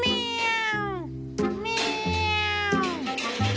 เมี๊ยว